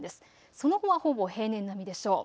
その後はほぼ平年並みでしょう。